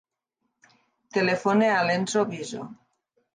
Telefona a l'Enzo Viso.